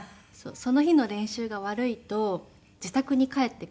その日の練習が悪いと自宅に帰ってから。